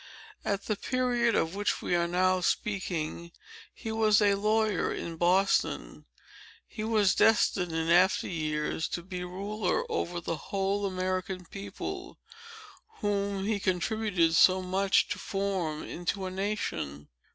"At the period of which we are now speaking, he was a lawyer in Boston. He was destined, in after years, to be ruler over the whole American people, whom he contributed so much to form into a nation."